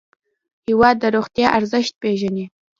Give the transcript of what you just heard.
هېواد د روغتیا ارزښت پېژني.